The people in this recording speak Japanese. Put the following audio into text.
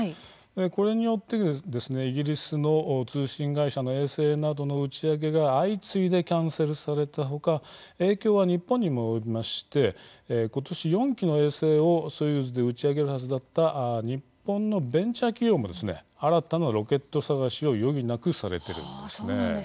これによってイギリスの通信会社の衛星などの打ち上げが相次いでキャンセルされたほか影響は日本にも及びましてことし４機の衛星をソユーズで打ち上げるはずだった日本のベンチャー企業も新たなロケット探しを余儀なくされているんです。